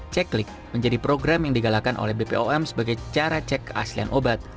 ceklik menjadi program yang digalakan oleh bpom sebagai cara cek keaslian obat